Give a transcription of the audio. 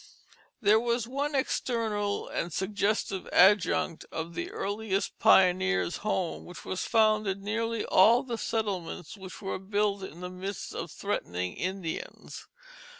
There was one external and suggestive adjunct of the earliest pioneer's home which was found in nearly all the settlements which were built in the midst of threatening Indians.